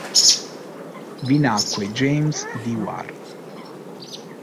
Vi nacque James Dewar.